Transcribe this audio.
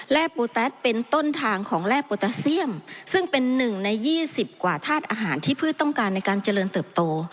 และปูแต๊สเป็นต้นทางของแร่โปรตาเซียมซึ่งเป็นหนึ่งใน๒๐กว่าธาตุอาหารที่พืชต้องการในการเจริญเติบโต